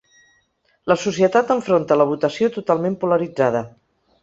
La societat enfronta la votació totalment polaritzada.